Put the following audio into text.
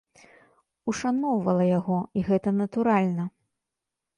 Ушаноўвала яго, і гэта натуральна.